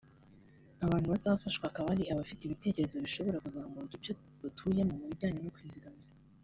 Abantu bazafashwa akaba ari abafite ibitekerezo bishobora kuzamura uduce batuyemo mu bijyanye no kwizigamira